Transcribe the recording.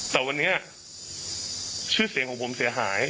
แต่วันนี้ชื่อเสียงของผมเสียหาย